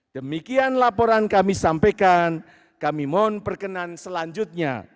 demikian laporan kami sampaikan kami mohon perkenan selanjutnya